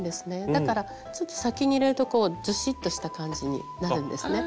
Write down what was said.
だからちょっと先に入れるとずしっとした感じになるんですね。